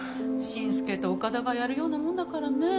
真輔とオカダがやるようなもんだからねえ。